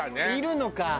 いるのか。